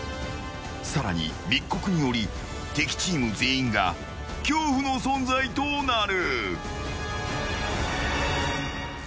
更に、密告により敵チーム全員が恐怖の存在となる。